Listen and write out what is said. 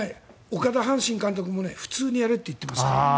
岡田阪神監督も普通にやれと言ってました。